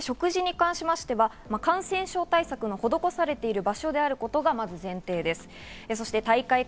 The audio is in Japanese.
食事に関しましては、感染症対策の施されている場所であることが前提です。